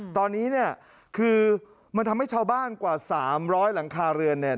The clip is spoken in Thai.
ตอนนี้เนี่ยคือมันทำให้ชาวบ้านกว่า๓๐๐หลังคาเรือนเนี่ย